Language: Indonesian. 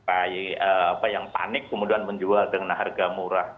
apa yang panik kemudian menjual dengan harga murah